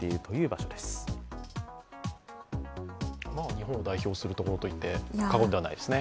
日本を代表するところといって過言ではないですね。